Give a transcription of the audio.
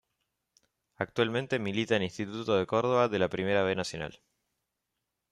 Actualmente milita en Instituto de Córdoba de la Primera B Nacional.